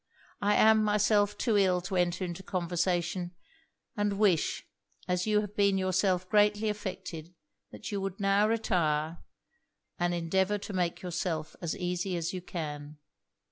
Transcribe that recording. I am myself too ill to enter into conversation; and wish, as you have been yourself greatly affected, that you would now retire, and endeavour to make yourself as easy as you can.